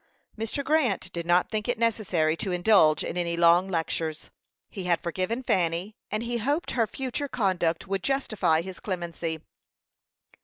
Mr. Grant did not think it necessary to indulge in any long lectures. He had forgiven Fanny, and he hoped her future conduct would justify his clemency.